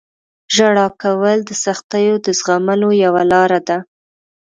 • ژړا کول د سختیو د زغملو یوه لاره ده.